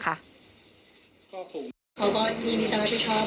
เขาก็ยินดีจะรับผิดชอบ